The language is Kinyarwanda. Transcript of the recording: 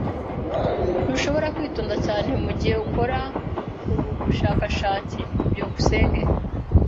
Ntushobora kwitonda cyane mugihe ukora ubu bushakashatsi. byukusenge